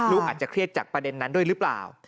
อาจจะเครียดจากประเด็นนั้นด้วยหรือเปล่า